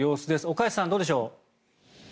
岡安さん、どうでしょう。